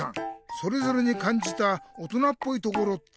それぞれにかんじた大人っぽいところって